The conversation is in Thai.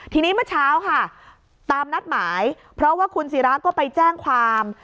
ทีนี้เมื่อเช้าค่ะตามนัดหมายเพราะว่าคุณศิราก็ไปแจ้งความ